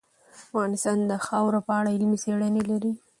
افغانستان د خاوره په اړه علمي څېړنې لري.